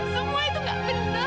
semua itu gak benar